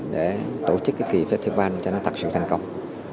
để tổ chức cái kỳ festival cho nó thật sự thành công